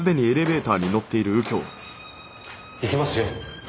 行きますよ。